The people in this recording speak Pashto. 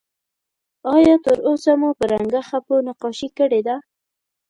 آیا تر اوسه مو په رنګه خپو نقاشي کړې ده؟